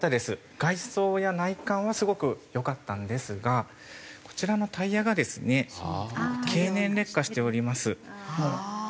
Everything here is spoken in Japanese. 外装や内観はすごく良かったんですがこちらのタイヤがですね経年劣化しております。